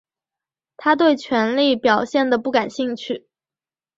他对权力表现得不感兴趣。